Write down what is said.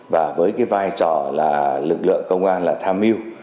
và với cái vai trò là lực lượng công an là tham mưu